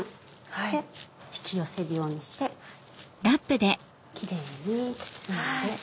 そして引き寄せるようにしてキレイに包んで。